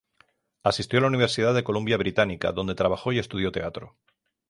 Asistió a la Universidad de Columbia Británica, donde trabajó y estudió teatro.